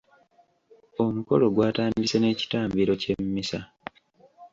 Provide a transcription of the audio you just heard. Omukolo gwatandise n'ekitambiro ky'emmisa.